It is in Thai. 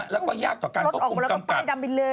แล้วก็ยากต่อการควบคุมแล้วก็ป้ายดำบินเลย